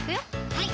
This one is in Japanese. はい